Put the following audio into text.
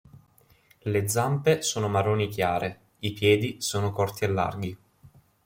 Le zampe sono marroni chiare, i piedi sono corti e larghi.